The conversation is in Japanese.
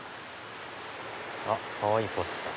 あっかわいいポスター。